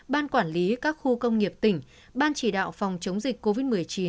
ban quản lý các khu công nghiệp tỉnh ban chỉ đạo phòng chống dịch covid một mươi chín